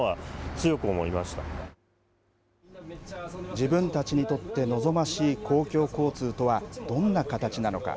自分たちにとって望ましい公共交通とは、どんな形なのか。